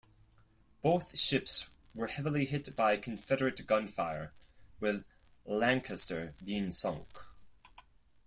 Both ships were heavily hit by Confederate gunfire, with "Lancaster" being sunk.